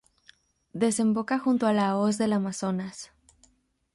Desemboca junto a la hoz del Amazonas.